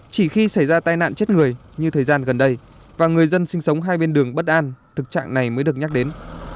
chỉ khi xảy ra tai nạn chết người như thời gian gần đây và người dân sinh sống hai bên đường bất an thực trạng này mới được nhắc đến